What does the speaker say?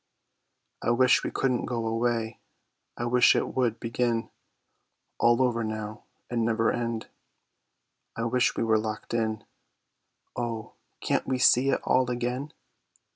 I wish we couldn't go away; I wish it would begin All over, now, and never end; I wish we were Locked In! Oh, can't we see it all again?